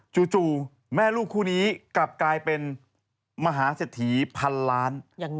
จู่แม่ลูกคู่นี้กลับกลายเป็นมหาเศรษฐีพันล้าน